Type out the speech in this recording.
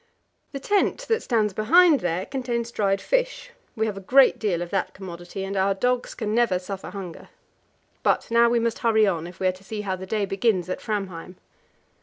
The tent that stands behind there contains dried fish; we have a great deal of that commodity, and our dogs can never suffer hunger. But now we must hurry on, if we are to see how the day begins at Framheim.